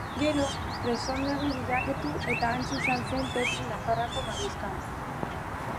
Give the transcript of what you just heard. Gero, presondegi bilakatu eta hantxe izan zen Petri Nafarroako mariskala.